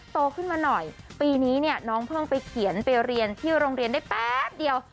โตขึ้นมาหน่อยปีนี้เนี่ยน้องเพิ่งไปเขียนไปเรียนที่โรงเรียนได้แป๊บเดียว